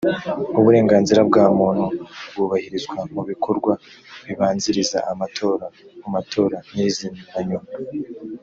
uburenganzira bwa muntu bwubahirizwa mu bikorwa bibanziriza amatora mu matora nyirizina na nyuma